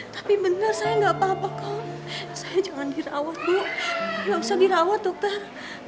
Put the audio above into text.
tapi bener saya gak apa apa kok saya jangan dirawat bu gak usah dirawat dokter